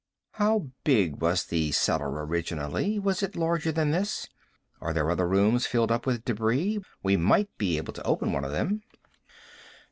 "How big was the cellar originally? Was it larger than this? Are there other rooms filled up with debris? We might be able to open one of them."